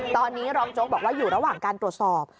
ตอนนี้รองโจ๊กบอกว่าอยู่ระหว่างการตรวจสอบ